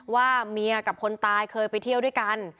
ว่าเมียกับคนตายเคยไปเที่ยวด้วยกัน